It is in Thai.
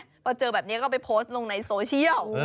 พอเจอแบบนี้ก็ไปโพสต์ลงในโซเชียล